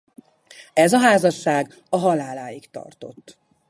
Ez a házasság a haláláig tartott.